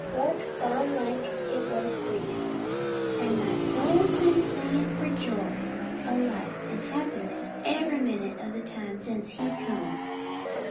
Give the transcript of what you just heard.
Work's gone like it was greased, an' my soul's been singin' for joy o' life an' happiness ev'ry minute o' the time since he come.